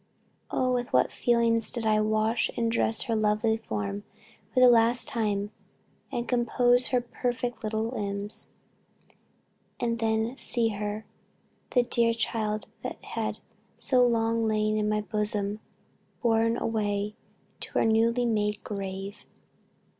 ... Oh with what feelings did I wash and dress her lovely form for the last time, and compose her perfect little limbs; and then see her the dear child that had so long lain in my bosom borne away to her newly made grave.